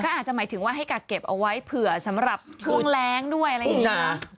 อาจจะหมายถึงว่าให้กักเก็บเอาไว้เผื่อสำหรับเครื่องแรงด้วยอะไรอย่างนี้